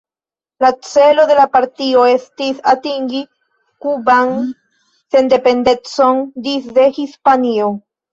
La celo de la partio estis atingi kuban sendependecon disde Hispanio.